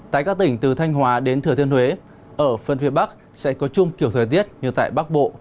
tại các tỉnh từ thanh hóa đến thừa thiên huế ở phân phía bắc sẽ có chung kiểu thời tiết như tại bắc bộ